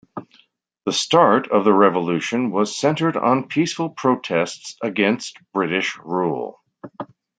The start of the revolution was centered on peaceful protests against British rule.